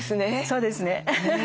そうですね。